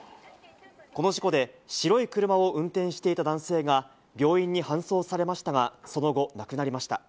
この事故で、白い車を運転していた男性が、病院に搬送されましたが、その後、亡くなりました。